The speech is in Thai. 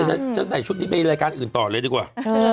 จริงค่ะจะใส่ชุดนี้ไปรายการอื่นต่อเลยดีกว่า